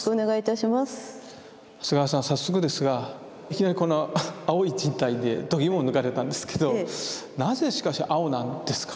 早速ですがいきなりこの青い人体でどぎもを抜かれたんですけどなぜしかし青なんですか？